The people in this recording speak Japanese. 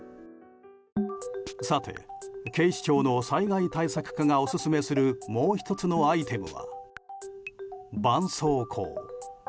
さて、警視庁の災害対策課がオススメするもう１つのアイテムはばんそうこう。